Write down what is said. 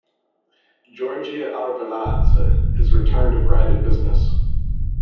Giorgi Arveladze has returned to private business.